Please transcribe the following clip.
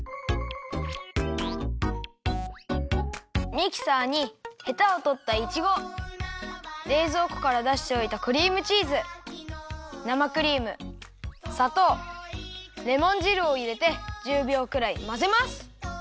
ミキサーにへたをとったいちごれいぞうこからだしておいたクリームチーズ生クリームさとうレモン汁をいれて１０びょうくらいまぜます。